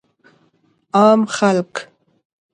عام خلک